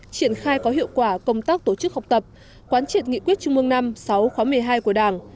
triển khai có hiệu quả công tác tổ chức học tập quán triệt nghị quyết trung mương năm sáu khóa một mươi hai của đảng